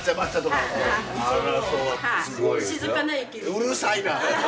うるさいな！